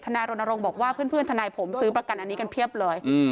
นายรณรงค์บอกว่าเพื่อนทนายผมซื้อประกันอันนี้กันเพียบเลย